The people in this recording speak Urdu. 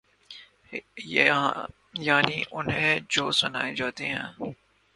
یعنی انہیں جو سنائی جاتی ہے۔